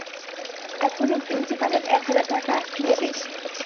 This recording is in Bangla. তুই কি এখনো প্রিন্সিপালের এক হাজার টাকা দিয়েছিস?